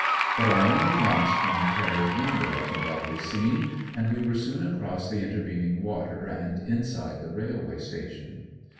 But I only glanced from the carriage window at the lovely scene, and we were soon across the intervening water and inside the railway station.